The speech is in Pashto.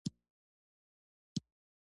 د ربیټ کورنۍ په ډیر لږ وخت کې کډه وکړه